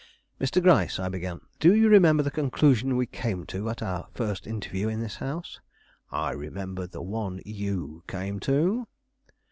"Mr. Gryce," I began, "do you remember the conclusion we came to at our first interview in this house?" "I remember the one you came to."